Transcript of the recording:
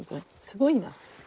すごいな。